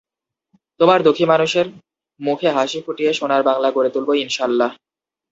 তোমার দুঃখী মানুষের মুখে হাসি ফুটিয়ে সোনার বাংলা গড়ে তুলবই ইনশাআল্লাহ।